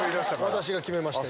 私が決めまして。